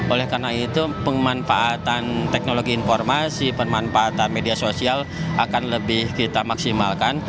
oleh karena itu pemanfaatan teknologi informasi pemanfaatan media sosial akan lebih kita maksimalkan